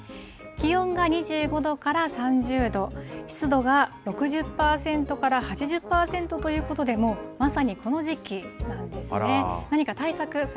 気温が２５度から３０度、湿度が６０％から８０％ということで、もう、まさにこの時期なんですね。